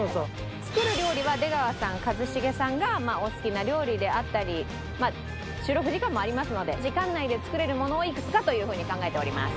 作る料理は出川さん一茂さんがお好きな料理であったり収録時間もありますので時間内で作れるものをいくつかというふうに考えております。